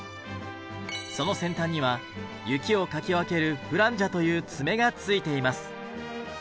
その先端には雪をかき分けるフランジャという爪がついています。